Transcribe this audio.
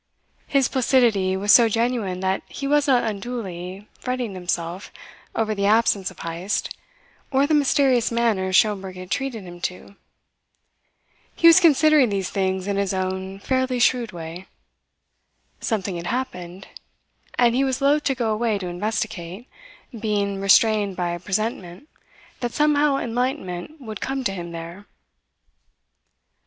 His placidity was so genuine that he was not unduly, fretting himself over the absence of Heyst, or the mysterious manners Schomberg had treated him to. He was considering these things in his own fairly shrewd way. Something had happened; and he was loath to go away to investigate, being restrained by a presentiment that somehow enlightenment would come to him there.